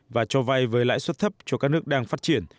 và cho vay với lãi suất thấp cho các nước đang phát triển